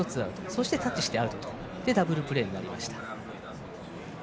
そしてタッチしてアウトダブルプレーになりました。